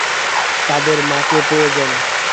তাদের মাকে প্রয়োজন।